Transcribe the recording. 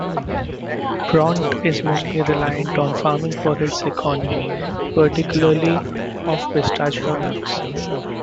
Bronte is mostly reliant on farming for its economy, particularly of pistachio nuts.